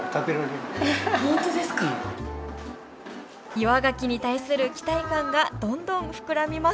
岩ガキに対する期待感がどんどん膨らみます。